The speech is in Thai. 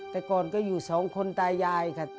แต่ก่อนก็อยู่สองคนตายายค่ะ